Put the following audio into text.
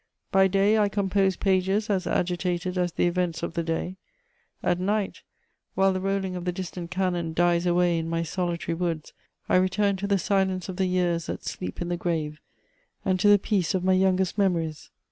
By day I compose pages as agitated as the events of the day; at night, while the rolling of the distant cannon dies away in my solitary woods, I return to the silence of the years that sleep in the grave and to the peace of my youngest memories."